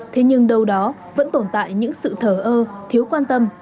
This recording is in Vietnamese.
thế nhưng đâu đó vẫn tồn tại những sự thở ơ thiếu quan tâm